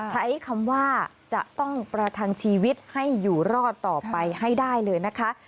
ใช้คำว่าจะต้องประทังชีวิตให้อยู่รอดต่อไปให้ได้เลยนะคะ